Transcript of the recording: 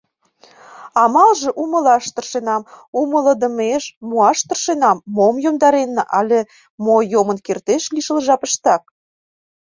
Амалже — умылаш тыршенам умылыдымеш, муаш тыршенам мом йомдаренна але мо йомын кертеш лишыл жапыштак.